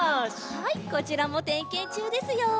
はいこちらもてんけんちゅうですよ。